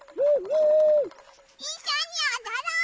いっしょにおどろう！